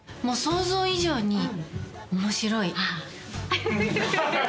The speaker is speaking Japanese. もう想像以上に面白い。